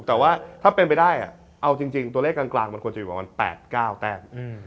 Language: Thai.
แต่ว่าถ้าเป็นไปได้เอาจริงตัวเลขกลางมันควรจะอยู่ประมาณ๘๙แต้ม